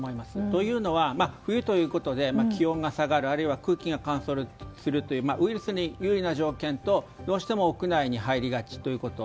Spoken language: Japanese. というのは冬ということで気温が下がる空気が乾燥するということでウイルスに有利な条件とどうしても屋内に入りがちということ。